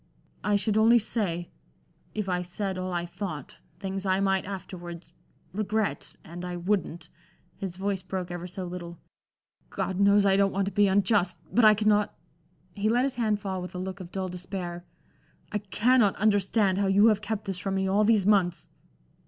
I should only say, if I said all I thought, things I might afterwards regret; and I wouldn't" his voice broke ever so little "God knows I don't want to be unjust! But I cannot" he let his hand fall with a look of dull despair "I cannot understand how you have kept this from me all these months!"